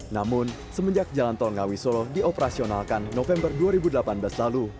namun semenjak jalan tol ngawi solo dioperasionalkan november dua ribu delapan belas lalu